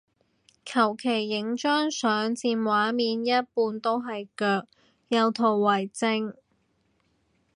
求其影張相佔畫面一半都係腳，有圖為證